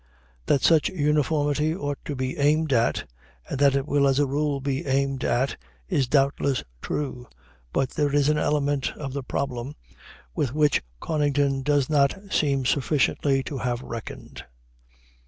That such uniformity ought to be aimed at, and that it will, as a rule, be aimed at, is doubtless true; but there is an element of the problem with which Conington does not seem sufficiently to have reckoned.